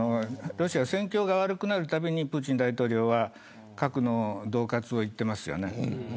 戦況が悪くなるたびにプーチン大統領は核のどう喝を言っています。